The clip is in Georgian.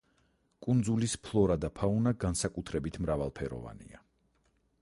კუნძულის ფლორა და ფაუნა განსაკუთრებით მრავალფეროვანია.